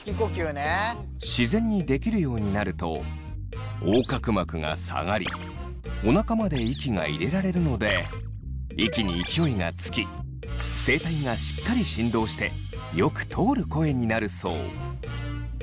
自然にできるようになると横隔膜が下がりおなかまで息が入れられるので息に勢いがつき声帯がしっかり振動してよく通る声になるそう。